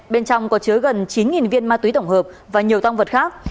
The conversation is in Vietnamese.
bên trong có chứa gần chín viên ma túy tổng hợp và nhiều tăng vật khác